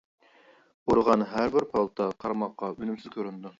ئۇرغان ھەربىر پالتا قارىماققا ئۈنۈمسىز كۆرۈنىدۇ.